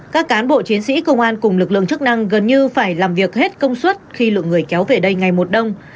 các cán bộ chiến sĩ công an cùng lực lượng chức năng gần như phải làm việc hết công suất khi lượng người kéo về đây ngày một đông